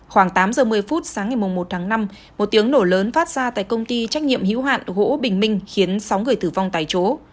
khoảng tám giờ một mươi phút sáng ngày một tháng năm một tiếng nổ lớn phát ra tại công ty trách nhiệm hữu hạn gỗ bình minh khiến sáu người tử vong tại chỗ